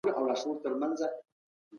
پوهانو له ډېر پخوا څخه د طبيعت څېړنه کوله.